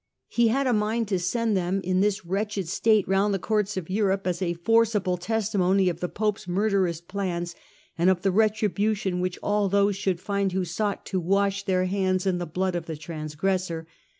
He had a mind to send them in this wretched state around the Courts of Europe as a forcible testimony of the Pope's murderous plans and of the retribution which all those should find who sought to " wash their hands in the blood of the transgressor."